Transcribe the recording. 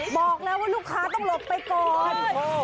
บอกแล้วว่าลูกค้าต้องหลบไปก่อน